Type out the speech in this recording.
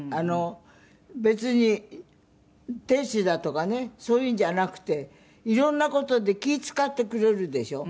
別に亭主だとかねそういうんじゃなくて色んな事で気ぃ使ってくれるでしょ。